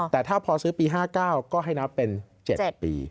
แต่ถ้าพอซื้อปี๕๙ก็ให้นับเป็น๗ปี